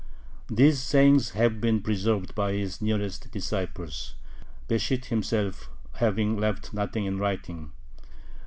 These sayings have been preserved by his nearest disciples, Besht himself having left nothing in writing.